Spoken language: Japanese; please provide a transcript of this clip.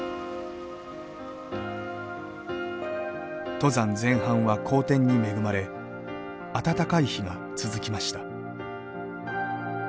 登山前半は好天に恵まれ暖かい日が続きました。